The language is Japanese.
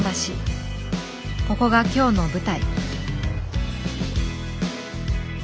ここが今日の舞台。